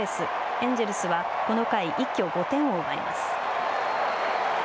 エンジェルスはこの回一挙５点を奪います。